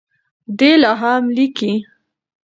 دی لا هم لیکي.